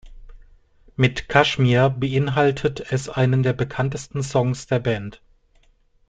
Mit „Kashmir“ beinhaltet es einen der bekanntesten Songs der Band.